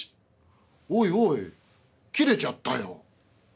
おいおい切れちゃったよ」。